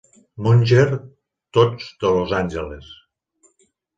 Munger, tots de Los Angeles.